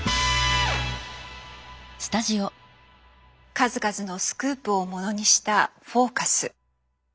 数々のスクープを物にした「フォーカス」。